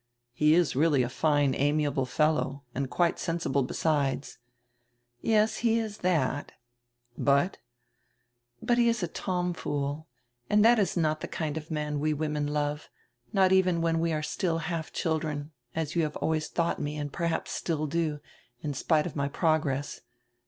He is really a fine amiable fellow and quite sensible, besides." "Yes, he is that." "But " "But he is a tomfool. And that is not the kind of a man we women love, not even when we are still half children, as you have always thought me and perhaps still do, in spite of my progress.